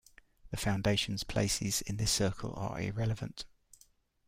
The foundations' places in this circle are irrelevant.